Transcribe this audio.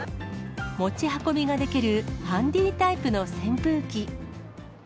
持ち運びができるハンディタイプの扇風機。